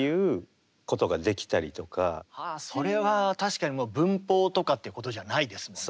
それは確かにもう文法とかっていうことじゃないですもんね。